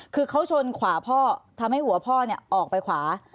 คือเขาชนขวาพ่อทำให้หัวพ่อออกไปขวา